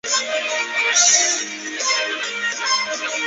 岛上有三清阁等古迹。